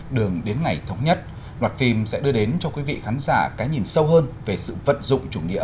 đường đến ngày thống nhất loạt phim sẽ đưa đến cho quý vị khán giả cái nhìn sâu hơn về sự vận dụng chủ nghĩa